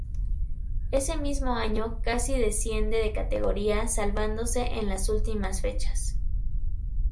Ese mismo año casi desciende de categoría salvándose en las últimas fechas.